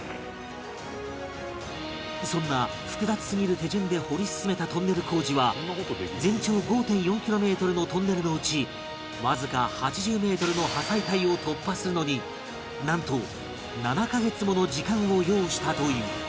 そんな複雑すぎる手順で掘り進めたトンネル工事は全長 ５．４ キロメートルのトンネルのうちわずか８０メートルの破砕帯を突破するのになんと７カ月もの時間を要したという